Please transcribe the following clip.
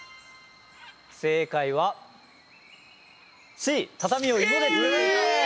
正解はＣ畳を芋で作っていた。え！？